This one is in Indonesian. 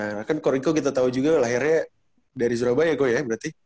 nah kan koreko kita tahu juga lahirnya dari surabaya kok ya berarti